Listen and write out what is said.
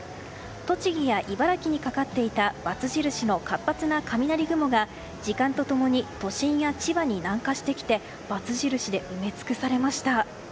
栃木や茨城にかかっていた罰印の活発な雷雲が時間と共に都心や千葉に南下してきてバツ印で埋め尽くされました。